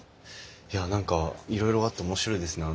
いや何かいろいろあって面白いですね。